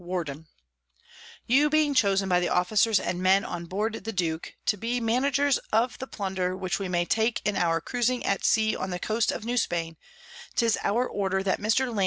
Worden: You being chosen by the Officers and Men on board the Duke, to be Managers of the Plunder which we may take in our Cruising at Sea on the Coast of New Spain, 'tis our Order that Mr. Lanc.